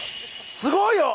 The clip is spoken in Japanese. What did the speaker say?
すごいよ！